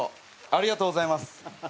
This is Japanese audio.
ありがとうございます。